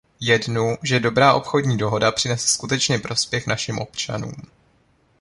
Jednu, že dobrá obchodní dohoda přinese skutečně prospěch našim občanům.